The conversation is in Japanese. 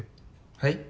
はい？